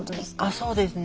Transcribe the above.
そうですね。